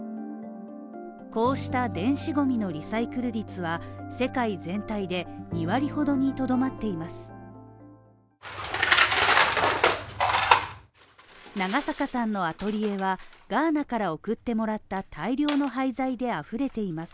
こうした電子ゴミのリサイクル率は世界全体で２割ほどにとどまっています。